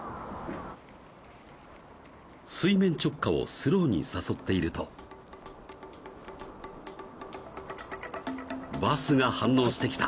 水面直下をスローに誘っているとバスが反応してきた！